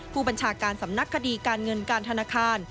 ผู้บัญชาการสำนักคดีการเงินการธนาคาร